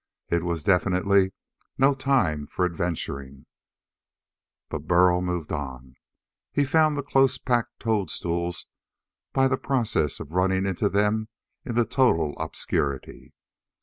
It was definitely no time for adventuring. Burl moved on. He found the close packed toadstools by the process of running into them in the total obscurity.